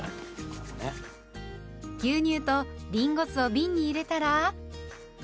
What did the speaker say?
牛乳とりんご酢をびんに入れたら。